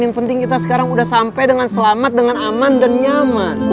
yang penting kita sekarang sudah sampai dengan selamat dengan aman dan nyaman